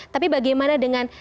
tapi bagaimana dengan